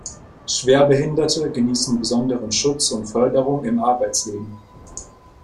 Schwerbehinderte genießen besonderen Schutz und Förderung im Arbeitsleben.